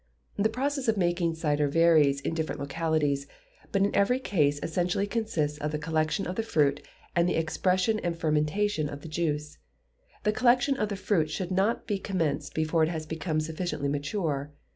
The process of making cider varies in different localities, but in every case essentially consists of the collection of the fruit, and the expression and fermentation of the juice. The collection of the fruit should not be commenced before it has become sufficiently mature.